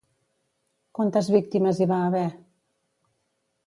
Quantes víctimes hi va haver?